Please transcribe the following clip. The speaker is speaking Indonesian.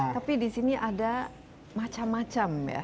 tapi disini ada macam macam ya